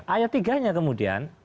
ayat tiga nya kemudian